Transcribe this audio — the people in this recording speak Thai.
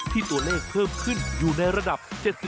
ตัวเลขเพิ่มขึ้นอยู่ในระดับ๗๐